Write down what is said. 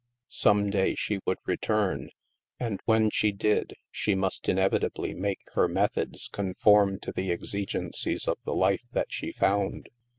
Some day she would return and, when she did, she must inevitably make her methods conform to the exigencies of the life that she found.